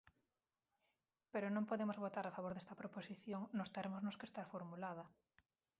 Pero non podemos votar a favor desta proposición nos termos nos que está formulada.